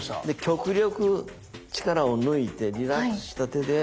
極力力を抜いてリラックスした手で。